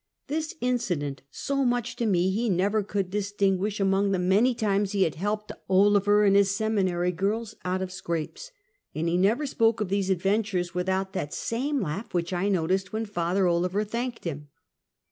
This in cident, so much to me, he never could distinguish among the many times he had " helped Olever and his seminary girls out of scrapes," and he never spoke of these adventures without that same laugh which I noticed when Father Olever thanked him.